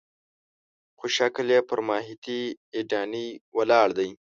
خو شکل یې پر ماهیتي اډانې ولاړ دی.